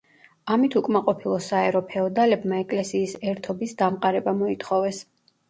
ამით უკმაყოფილო საერო ფეოდალებმა ეკლესიის ერთობის დამყარება მოითხოვეს.